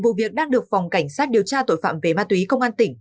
vụ việc đang được phòng cảnh sát điều tra tội phạm về ma túy công an tỉnh